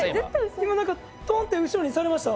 今何かトンッて後ろにされました。